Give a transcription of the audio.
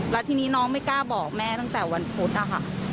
แล้วทีนี้น้องไม่กล้าบอกแม่ตั้งแต่วันพุธนะคะ